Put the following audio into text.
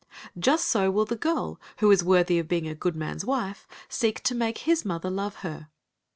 Just so will the girl, who is worthy of being a good man's wife, seek to make his mother love her.